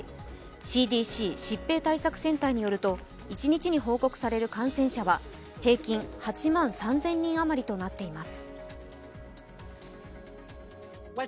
ＣＤＣ＝疾病対策センターによると、一日に報告される感染者は平均８万３０００人余りとなっています。